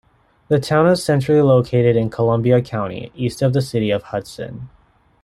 The town is centrally located in Columbia County, east of the city of Hudson.